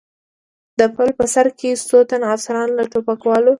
د پله په سر کې څو تنه افسران، له ټوپکوالو.